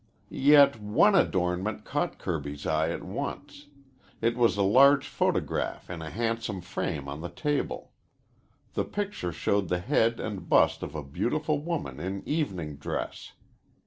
Yet one adornment caught Kirby's eye at once. It was a large photograph in a handsome frame on the table. The picture showed the head and bust of a beautiful woman in evening dress.